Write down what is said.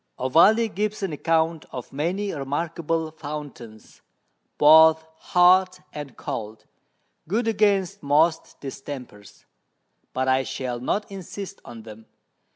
Ovalle gives an Account of many remarkable Fountains, both hot and cold, good against most Distempers; but I shall not insist on them.